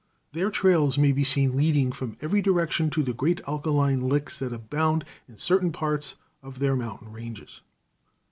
Their trails may be seen leading from every direction to the great alkaline licks that abound in certain parts of their mountain ranges.